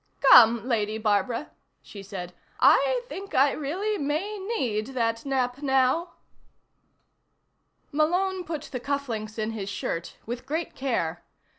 "Come, Lady Barbara," she said. "I think I really may need that nap, now." Malone put the cufflinks in his shirt with great care.